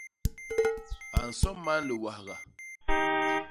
A nso man liwahga.